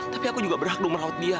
tapi aku juga berhak dong merawat dia